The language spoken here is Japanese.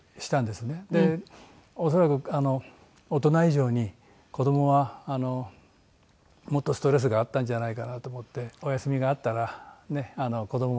恐らく大人以上に子どもはもっとストレスがあったんじゃないかなと思ってお休みがあったら子どもも気にしないで。